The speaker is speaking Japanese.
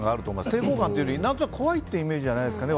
抵抗感というより何となく怖いというイメージじゃないですかね。